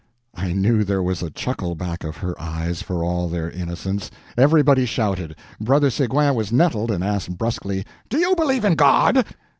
I knew there was a chuckle back of her eyes, for all their innocence. Everybody shouted. Brother Seguin was nettled, and asked brusquely: "Do you believe in God?"